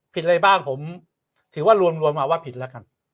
อะไรบ้างผมถือว่ารวมมาว่าผิดแล้วกัน